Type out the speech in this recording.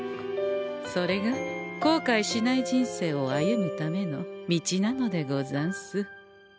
それがこうかいしない人生を歩むための道なのでござんす。